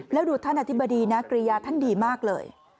แล้วดูท่านอธิบดีนะกริยาท่านดีมากเลย